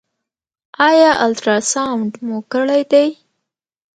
ایا الټراساونډ مو کړی دی؟